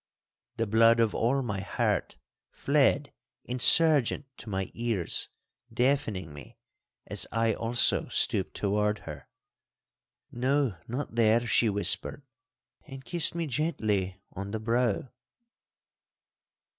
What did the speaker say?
The blood of all my heart fled insurgent to my ears, deafening me, as I also stooped toward her. 'No, not there,' she whispered, and kissed me gently on the brow.